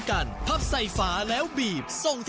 คาถาที่สำหรับคุณ